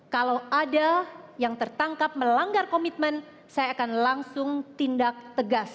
kalau ada yang tertangkap melanggar komitmen saya akan langsung tindak tegas